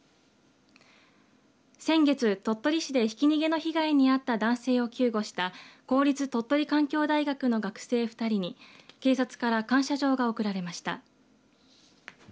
先月、鳥取市でひき逃げの被害に遭った男性を救護した公立鳥取環境大学の学生２人に警察から感謝状が贈られました。